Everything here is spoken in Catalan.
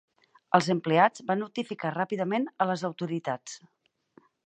Els empleats van notificar ràpidament a les autoritats.